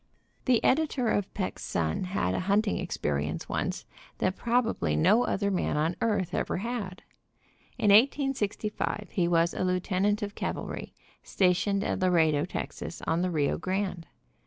The editor of Peck's Sun had a hunting experience once that probably no other man on earth ever had. In 1865 he was a lieutenant of cavalry, stationed at Laredo, Tex., on the Rio Grande.